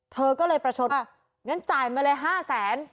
เธอก็เลยประชดงั้นจ่ายมาเลย๕แสน